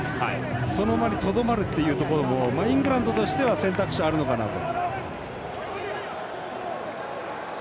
その場にとどまるというところもイングランドとしては選択肢があるのかなと。